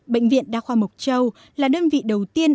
bệnh viện đa khoa mộc châu là đơn vị đầu tiên